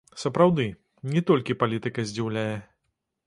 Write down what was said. Сапраўды, не толькі палітыка здзіўляе.